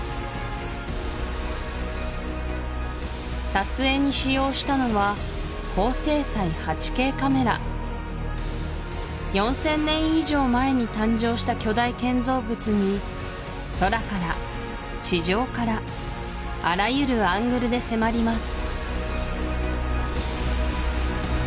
撮影に使用したのは４０００年以上前に誕生した巨大建造物に空から地上からあらゆるアングルで迫ります